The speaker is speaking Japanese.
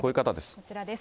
こちらです。